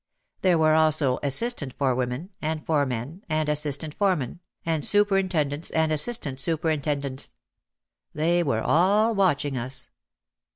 There were also assistant forewomen, and foremen and assistant foremen, and superintendents and assistant superintendents. They were all watching us.